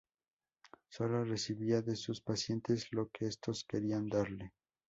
Solo recibía de sus pacientes lo que estos querían darle.